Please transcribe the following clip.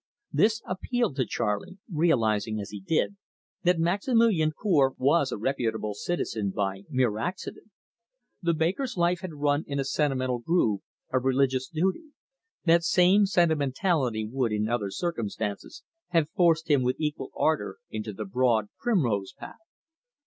This appealed to Charley, realising, as he did, that Maximilian Cour was a reputable citizen by mere accident. The baker's life had run in a sentimental groove of religious duty; that same sentimentality would, in other circumstances, have forced him with equal ardour into the broad primrose path.